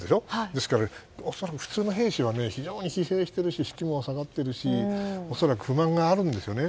ですから恐らく普通の兵士は非常に疲弊しているし士気も下がっているし恐らく不満があるんですよね。